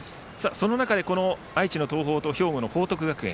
その中で愛知の東邦と兵庫の報徳学園。